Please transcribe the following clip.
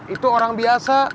itu orang biasa